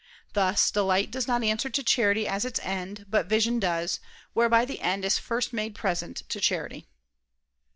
Thus delight does not answer to charity as its end, but vision does, whereby the end is first made present to charity.